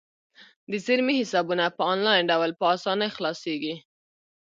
د زیرمې حسابونه په انلاین ډول په اسانۍ خلاصیږي.